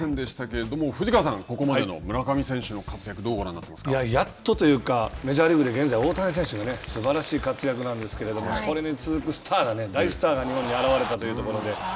けれども、藤川さん、ここまでの村上選手の活躍、どうご覧になっていますか。やっとというか、メジャーリーグで現在大谷選手がすばらしい活躍なんですけれどもそれに続くスターが、大スターが日本に現れたというところで。